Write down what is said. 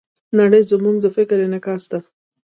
نړۍ زموږ د فکر انعکاس ده.